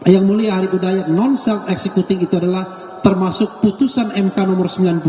yang mulia arief hidayat non self executing itu adalah termasuk putusan mk no sembilan puluh